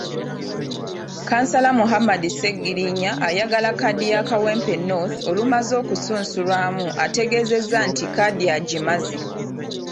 Kkansala Muhammad Sserigginya ayagala Kkaadi ya Kawempe North olumaze okusunsulwamu n'ategeeza nti kkaadi agimaze.